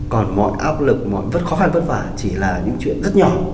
còn mọi áp lực rất khó khăn vất vả chỉ là những chuyện rất nhỏ